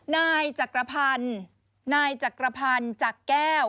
นายจักรพรรณจักรพรรณจักแก้ว